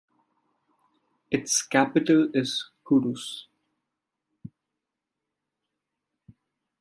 Its capital is Kudus.